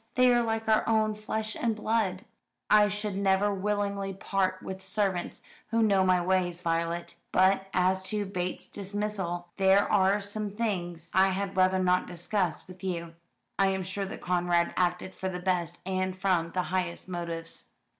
They are like our own flesh and blood." "I should never willingly part with servants who know my ways, Violet. But as to Bates's dismissal there are some things I had rather not discuss with you I am sure that Conrad acted for the best, and from the highest motives."